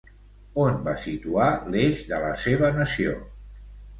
On va situar l'eix de la seva nació?